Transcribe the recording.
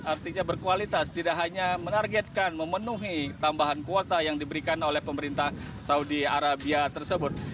artinya berkualitas tidak hanya menargetkan memenuhi tambahan kuota yang diberikan oleh pemerintah saudi arabia tersebut